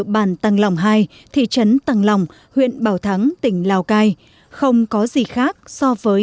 bản tăng lòng hai thị trấn tăng lòng huyện bảo thắng tỉnh lào cai không có gì khác so với